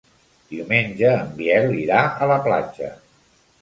Diumenge en Biel irà a la platja.